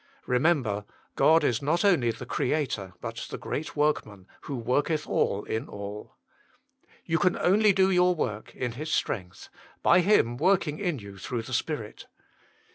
Remember, God is not only the Creator, but the Great Workman, who worketh all in all. You can only do your work in His strength, by Him working in you through the Spirit.